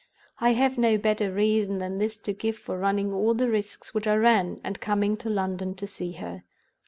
I have no better reason than this to give for running all the risks which I ran, and coming to London to see her.